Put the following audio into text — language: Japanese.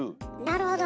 なるほど。